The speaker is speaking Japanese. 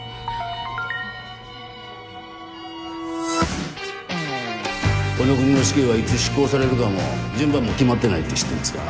ピロリロリロンこの国の死刑はいつ執行されるかも順番も決まってないって知ってますか？